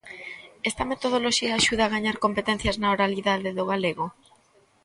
Esta metodoloxía axuda a gañar competencias na oralidade do galego?